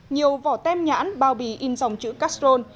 nhiều vỏ tem nhãn bao bì in dòng chữ castrol